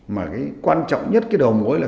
mà cái quan trọng nhất cái đầu mối là